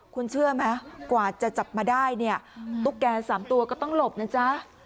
คุณเชื่อไหมกว่าจะจับมาได้เนี่ยตุ๊กแก่๓ตัวก็ต้องหลบนะจ๊ะ